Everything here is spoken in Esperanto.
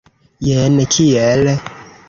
Jen kiel.